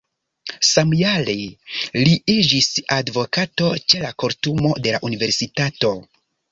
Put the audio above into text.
Samjare li iĝis advokato ĉe la kortumo de la universitato.